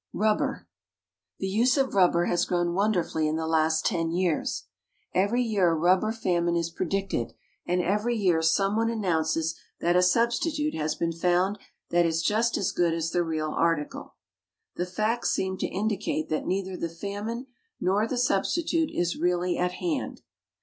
RUBBER. The use of rubber has grown wonderfully in the last ten years. Every year a rubber famine is predicted, and every year someone announces that a substitute has been found that is just as good as the real article. The facts seems to indicate that neither the famine nor the substitute is really at hand.